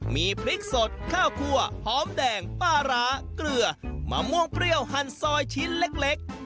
มีพริกสดข้าวคั่วหอมแดงปลาร้าเกลือมะม่วงเปรี้ยวหั่นซอยชิ้นเล็ก